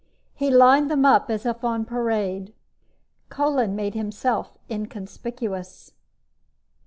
He lined them up as if on parade. Kolin made himself inconspicuous.